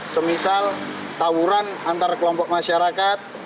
semisal tawuran antar kelompok masyarakat